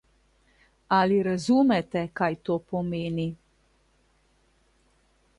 Ali razumete, kaj to pomeni?